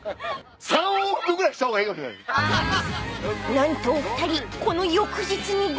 ［何とお二人］